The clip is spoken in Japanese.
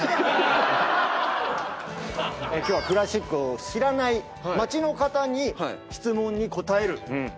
今日はクラシックを知らない街の方の質問に答える。